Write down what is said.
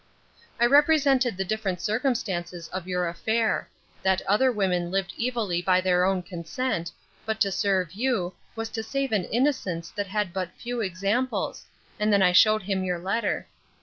'I represented the different circumstances of your affair; that other women lived evilly by their own consent, but to serve you, was to save an innocence that had but few examples; and then I shewed him your letter.